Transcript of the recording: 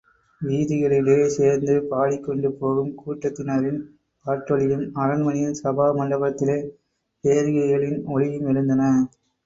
வீதிகளிலே, சேர்ந்து பாடிக் கொண்டு போகும் கூட்டத்தினரின் பாட்டொலியும், அரண்மனையின் சபா மண்டபத்திலே பேரிகைகளின் ஒலியும் எழுந்தன.